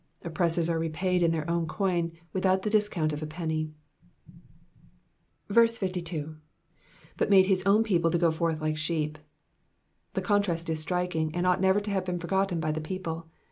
Oppressors are repaid in thfir own coin, without the discount of a penny. 52. ^^But made hie own people to go forth like sheep.'*'' The contrast is striking, and ought never to have been forgotten by the people.